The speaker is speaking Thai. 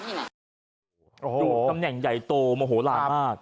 กระแม่งใหญ่โตโมโหลามาก